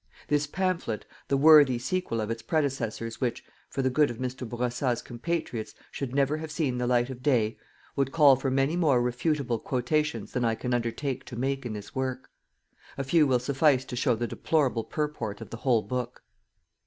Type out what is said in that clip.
This pamphlet, the worthy sequel of its predecessors which, for the good of Mr. Bourassa's compatriots, should never have seen the light of day, would call for many more refutable quotations than I can undertake to make in this work. A few will suffice to show the deplorable purport of the whole book.